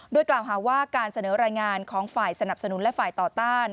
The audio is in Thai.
โดยกล่าวหาว่าการเสนอรายงานของฝ่ายสนับสนุนและฝ่ายต่อต้าน